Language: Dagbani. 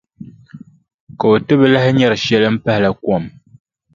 Ka o ti bi lahi nyari shɛli m-pahila kom.